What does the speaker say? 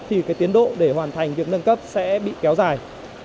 thì tiến độ để hoàn thành việc nâng cấp sẽ bị kéo dài